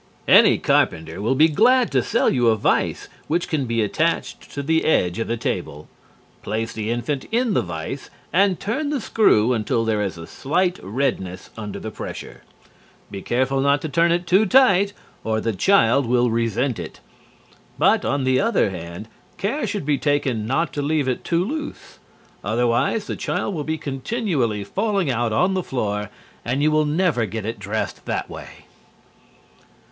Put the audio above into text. _ Any carpenter will be glad to sell you a vise which can be attached to the edge of the table. Place the infant in the vise and turn the screw until there is a slight redness under the pressure. Be careful not to turn it too tight or the child will resent it; but on the other hand, care should be taken not to leave it too loose, otherwise the child will be continually falling out on the floor, and you will never get it dressed that way.